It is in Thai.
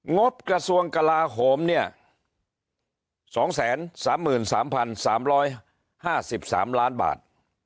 บกระทรวงกลาโหมเนี่ย๒๓๓๕๓ล้านบาท